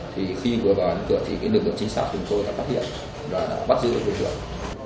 thì khi vừa vào cửa thì cái lực lượng chính xác của chúng tôi đã phát hiện và đã bắt giữ được đối tượng